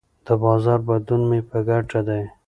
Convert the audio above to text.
د بازار بدلون مې په ګټه دی.